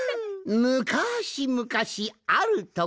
むかしむかしあるところに。